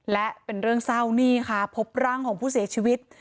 และเป็นเรื่องเศร้านี่ค่ะพบร่างของผู้เสียชีวิต